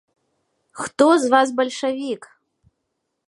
Хто з вас бальшавік?